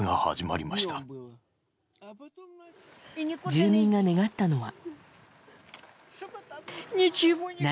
住民が願ったのは。